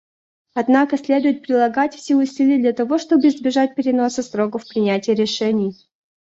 Однако следует прилагать все усилия для того, чтобы избежать переноса сроков принятия решений.